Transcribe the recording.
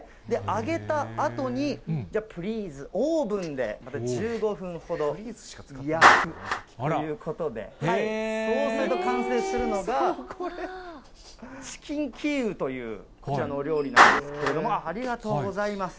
揚げたあとに、じゃあ、プリーズ、オーブンでまた１５分ほど焼くということで、そうすると完成するのが、チキンキーウという、こちらのお料理なんですけれども、ありがとうございます。